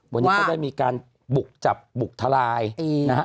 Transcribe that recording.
วันนี้เขาได้มีการบุกจับบุกทลายนะฮะ